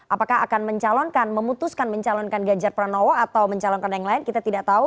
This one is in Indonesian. apakah akan mencalonkan memutuskan mencalonkan ganjar pranowo atau mencalonkan yang lain kita tidak tahu